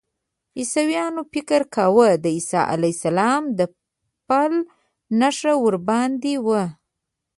عیسویانو فکر کاوه د عیسی علیه السلام د پل نښه ورباندې وه.